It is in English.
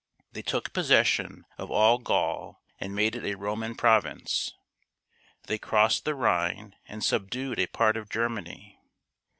They took possession of all Gaul and made it a Roman province. They crossed the Rhine and subdued a part of Germany.